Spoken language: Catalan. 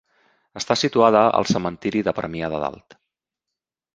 Està situada al Cementiri de Premià de Dalt.